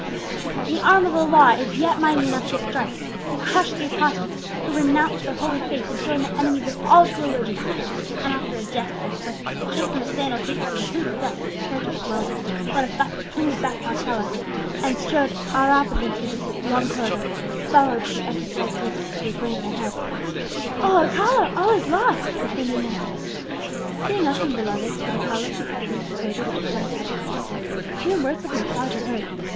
The arm of the law is yet mighty enough to strike to crush the apostates who renounce their holy faith to join the enemies of all true religion!" And after a gesture expressing that he shook from his sandalled feet the polluted dust of the heretic's dwelling, Bonifacio turned his back on Alcala, and strode rapidly through the long corridor, followed to the entrance by Teresa, who was wringing her hands. "O Alcala! all is lost!" exclaimed Inez. "Fear nothing, beloved," said Alcala, with a serene composure which astonished his sister, "mere words have no power to hurt.